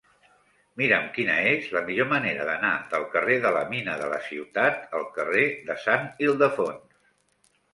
Mira'm quina és la millor manera d'anar del carrer de la Mina de la Ciutat al carrer de Sant Ildefons.